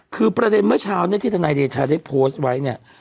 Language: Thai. คือประเด็นเมื่อเช้าเนี่ยที่ทนายเดชาได้โพสต์ไว้เนี่ย